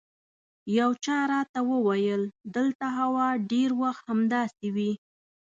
یو چا راته وویل دلته هوا ډېر وخت همداسې وي.